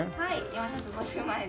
４５０万円です。